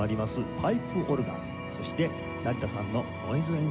パイプオルガンそして成田さんのノイズ演奏